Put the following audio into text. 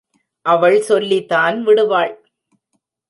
அவள் சொல்லிதான் விடுவாள்.